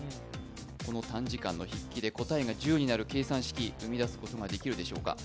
この短時間の筆記で答えが１０になる計算式、生み出すことができるでしょうか？